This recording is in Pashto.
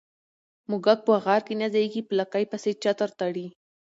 ـ موږک په غار کې نه ځايږي، په لکۍ پسې چتر تړي.